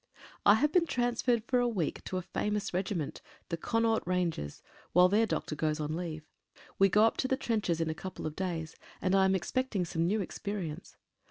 3 HAVE been transferred for a week to a famous regiment — the Connaught Rangers — while their doctor goes on leave. We go up to the trenches in a couple of days, and I am expecting some new experi ence.